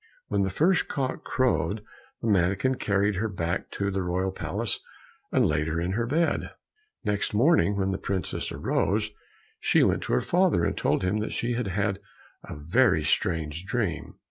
When the first cock crowed, the mannikin carried her back to the royal palace, and laid her in her bed. Next morning when the princess arose, she went to her father, and told him that she had had a very strange dream.